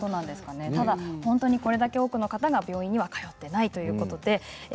これだけ多くの方は病院に通っていないということです。